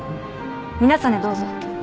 皆さんでどうぞ。